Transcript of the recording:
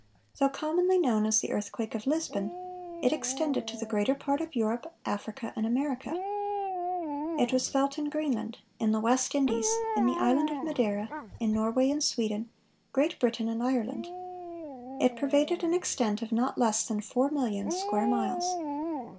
Though commonly known as the earthquake of Lisbon, it extended to the greater part of Europe, Africa, and America. It was felt in Greenland, in the West Indies, in the island of Madeira, in Norway and Sweden, Great Britain and Ireland. It pervaded an extent of not less than four million square miles.